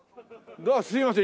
すいません